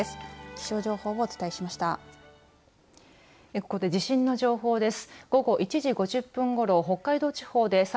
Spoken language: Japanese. ここで地震の情報です。